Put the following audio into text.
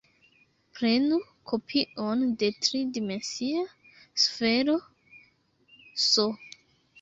Prenu kopion de tri-dimensia sfero "S".